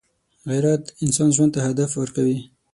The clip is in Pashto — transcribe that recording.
غیرت انسان ژوند ته هدف ورکوي